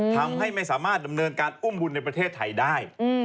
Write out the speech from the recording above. ทำให้ไม่สามารถดำเนินการอุ้มบุญในประเทศไทยได้